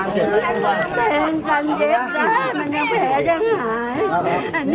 สวัสดีครับทุกคน